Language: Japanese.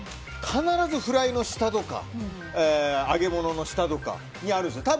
必ずフライの下とか揚げ物の下とかにあるじゃない。